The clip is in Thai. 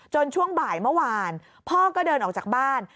ช่วงบ่ายเมื่อวานพ่อก็เดินออกจากบ้าน